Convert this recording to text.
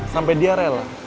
sampai dia rela